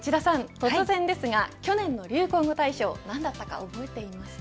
突然ですが去年の流行語大賞なんだったか覚えていますか。